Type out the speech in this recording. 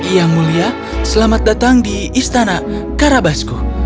yang mulia selamat datang di istana karabasku